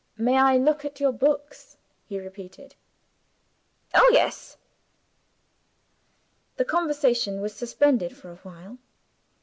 "May I look at your books?" he repeated. "Oh, yes!" The conversation was suspended for a while.